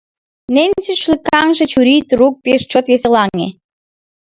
Ненси шӱлыкаҥше чурийже трук пеш чот веселаҥе: